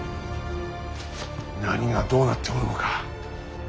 何がどうなっておるのか。